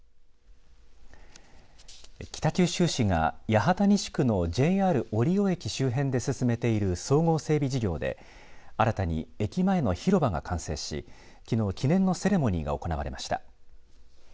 北九州市が八幡西区のＪＲ折尾駅周辺で進めている総合整備事業で新たに駅前の広場が完成しきのう記念のセレモニーが行われました。